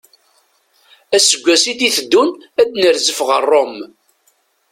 Aseggas i d-iteddun ad nerzef ɣer Rome.